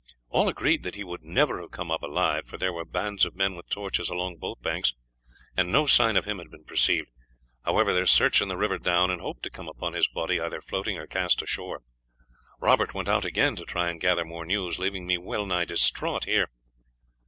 "All agreed that he could never have come up alive, for there were bands of men with torches along both banks, and no sign of him had been perceived. However, they are searching the river down, and hope to come upon his body either floating or cast ashore. Robert went out again to try and gather more news, leaving me well nigh distraught here."